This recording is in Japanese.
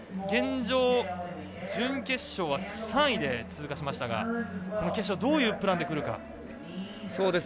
現状、準決勝は３位で通過しましたがこの決勝はどういうプランでくるか。